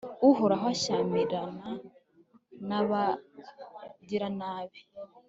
uhoraho ashyamirana n'abagiranabi